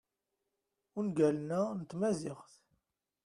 ungalen-a n tmaziɣt